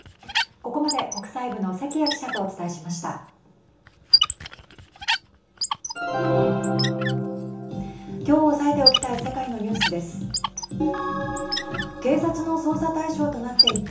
ここまで国際部の関谷記者とお伝えしました。